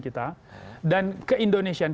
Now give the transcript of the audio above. kita dan keindonesiaan